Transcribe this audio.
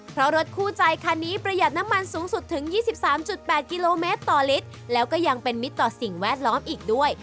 เพราะรถคู่ใจคันนี้ประหยัดน้ำมันสูงสุดถึง๒๓๘กิโลเมตรต่อลิตรแล้วก็ยังเป็นมิตรต่อสิ่งแวดล้อมอีกด้วย